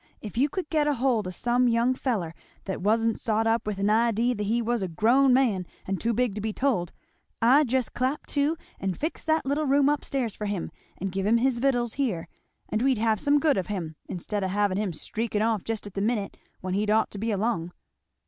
"If you could get hold o' some young feller that wa'n't sot up with an idee that he was a grown man and too big to be told, I'd just clap to and fix that little room up stairs for him and give him his victuals here, and we'd have some good of him; instead o' having him streakin' off just at the minute when he'd ought to be along."